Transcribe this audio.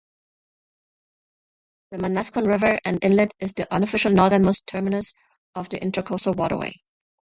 The Manasquan River and Inlet is the unofficial northernmost terminus of the Intracoastal Waterway.